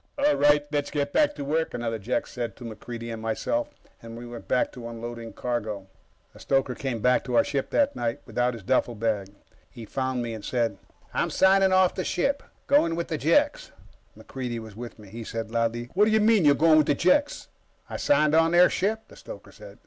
"All right, let's get back to work," another Jek said to MacReidie and myself, and we went back to unloading cargo. The stoker came back to our ship that night, without his duffelbag. He found me and said: "I'm signing off the ship. Going with the Jeks." MacReidie was with me. He said loudly: "What do you mean, you're going with the Jeks?" "I signed on their ship," the stoker said.